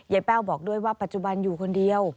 แป้วบอกด้วยว่าปัจจุบันอยู่คนเดียว